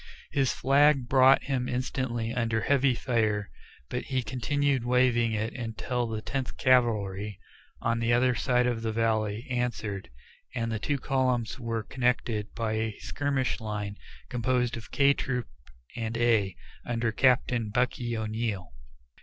His flag brought him instantly under a heavy fire, but he continued waving it until the Tenth Cavalry on the other side of the valley answered, and the two columns were connected by a skirmish line composed of K Troop and A, under Captain "Bucky" O'Neill.